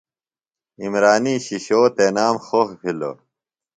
عمرانی شِشو تنام خوخ بِھلوۡ۔